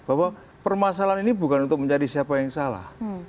bahwa permasalahan ini bukan untuk mencari siapa yang salah